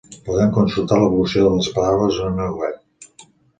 Podem consultar l'evolució de les paraules en una web